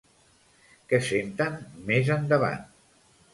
Què senten més endavant?